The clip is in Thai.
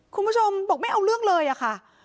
คุณผู้ชมบอกไม่เอาเรื่องเลยอะค่ะ